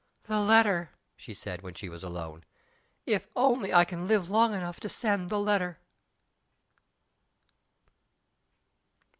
"The letter!" she said, when she was alone. "If I can only live long enough to write the letter!"